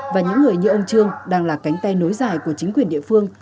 và những người như ông trương đang là cánh tay nối dài của chính quyền địa phương